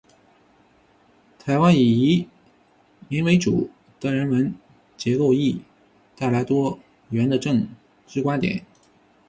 台湾以移民为主的人文结构，亦带来多元的政治观点。